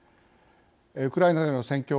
ウクライナでの戦況